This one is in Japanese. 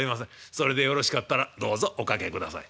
それでよろしかったらどうぞお掛けください。